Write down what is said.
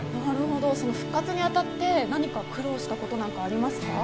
復活にあたって、何か苦労したことはありますか？